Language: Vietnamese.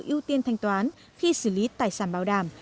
ưu tiên thanh toán khi xử lý tài sản bảo đảm